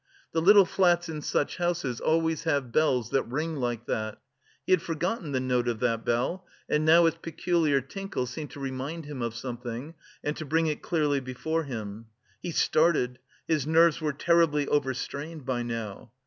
The little flats in such houses always have bells that ring like that. He had forgotten the note of that bell, and now its peculiar tinkle seemed to remind him of something and to bring it clearly before him.... He started, his nerves were terribly overstrained by now.